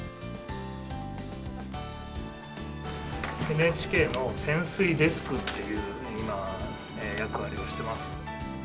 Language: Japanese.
ＮＨＫの潜水デスクっていう役割をしてます。